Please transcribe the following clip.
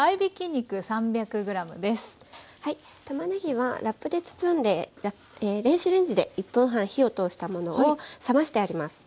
はいたまねぎはラップで包んで電子レンジで１分半火を通したものを冷ましてあります。